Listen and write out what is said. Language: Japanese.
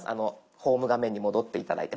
ホーム画面に戻って頂いて。